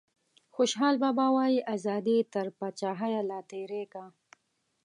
خوشحال بابا وايي ازادي تر پاچاهیه لا تیری کا.